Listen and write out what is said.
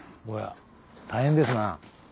おや大変ですな。